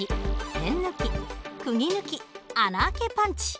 せん抜きくぎ抜き穴あけパンチ。